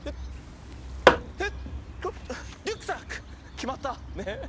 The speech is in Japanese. きまった。ね。